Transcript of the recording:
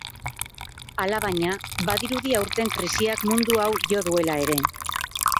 Alabaina, badirudi aurten krisiak mundu hau jo duela ere.